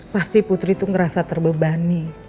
pasti putri itu ngerasa terbebani